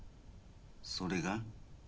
それが？